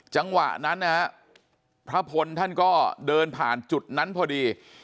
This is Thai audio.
จังหวะนั้นนะฮะพระพลท่านก็เดินผ่านจุดนั้นพอดี